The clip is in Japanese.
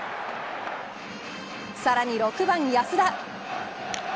さらに６番安田。